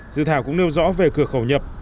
dự thảo cũng nêu rõ về cửa khẩu nhập